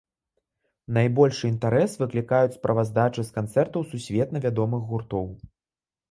Найбольшы інтарэс выклікаюць справаздачы з канцэртаў сусветна вядомых гуртоў.